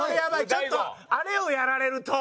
ちょっとあれをやられると。